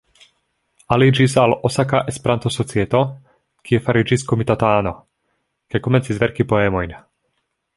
Aliĝis al Osaka Esperanto-Societo, kie fariĝis komitatano, kaj komencis verki poemojn.